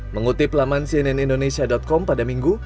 mengutip laman cnnindonesia com pada minggu